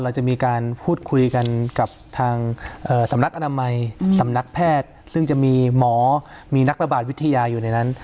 เราจะมีการพูดคุยกันกับทางสำนักอนามัยสำนักแพทย์ซึ่งจะมีหมอมีนักระบาดวิทยาอยู่ในนั้น